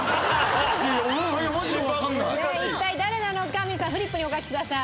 一体誰なのか皆さんフリップにお書きください。